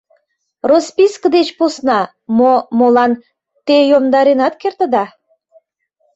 Росписке деч посна, мо молан... те йомдаренат кертыда...